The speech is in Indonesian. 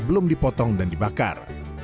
sebelum dipotong dan dibakar